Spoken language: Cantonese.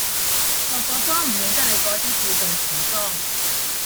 落咗妝唔認得你嗰啲，叫做喬裝